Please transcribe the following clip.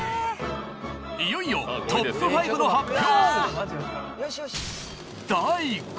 いよいよトップ５の発表